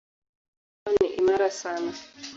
Aloi hizi huwa ni imara sana.